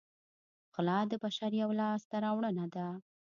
غلا د بشر یوه لاسته راوړنه ده